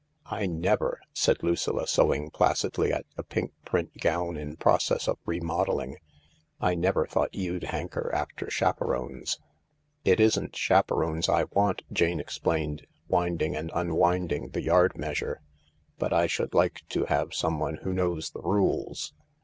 " I never," said Lucilla, sewing placidly at a pink print gown in process of remodelling, " I never thought you'd hanker after chaperones." " It isn't chaperones I want," Jane explained, winding and unwinding the yard measure. " But I should like to have someone who knows the rules.